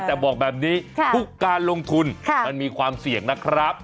แต่บอกแบบนี้ทุกการลงทุนมันมีความเสี่ยงนะครับ